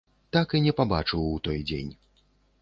Так і не пабачыў у той дзень.